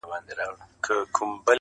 خلک انلاین خبرونه ډېر لولي